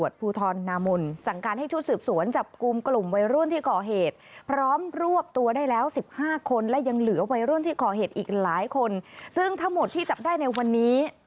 ซึ่งทั้งหมดที่จับได้ในวันนี้